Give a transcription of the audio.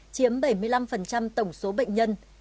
chiếm bảy mươi năm tổng số bệnh nhân